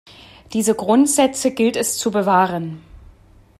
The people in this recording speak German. Diese Grundsätze gilt es zu bewahren.